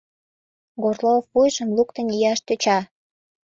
Горлов вуйжым луктын ияш тӧча.